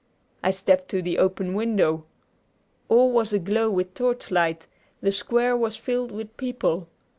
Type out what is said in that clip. I stepped to the open window. All was aglow with torchlight, the square was filled with people.